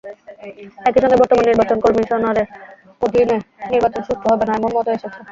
একই সঙ্গে বর্তমান নির্বাচন কমিশনের অধীনে নির্বাচন সুষ্ঠু হবে না—এমন মতও এসেছে।